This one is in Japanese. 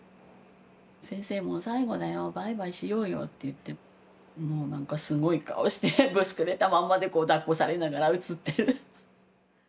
「先生もう最後だよバイバイしようよ」って言ってももう何かすごい顔してブスくれたまんまで抱っこされながら写ってる。